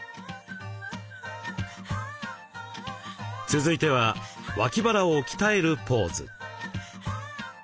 続いては脇腹を鍛えるポーズ。